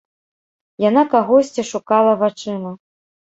Яна кагосьці шукала вачыма.